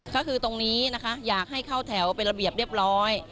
ก็คือตรงนี้นะคะอยากให้เข้าแถวเป็นระเบียบเรียบร้อย